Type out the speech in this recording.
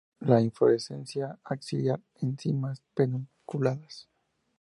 La inflorescencia axilar en cimas, pedunculadas.